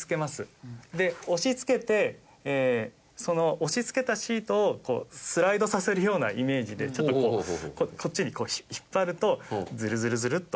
で押し付けてその押し付けたシートをスライドさせるようなイメージでちょっとこうこっちにこう引っ張るとズルズルズルっと。